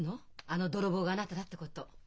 あの泥棒があなただってこと。